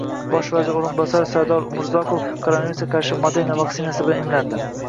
Bosh vazir o‘rinbosari Sardor Umurzoqov koronavirusga qarshi Moderna vaksinasi bilan emlandi